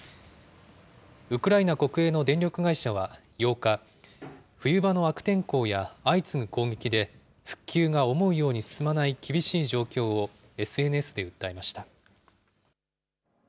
ウクライナ国営の電力会社は８日、冬場の悪天候や相次ぐ攻撃で復旧が思うように進まない厳しい状況をＳＮＳで訴えました。